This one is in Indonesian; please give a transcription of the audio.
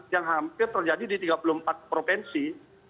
yang hampir terjadi di tiga puluh empat provinsi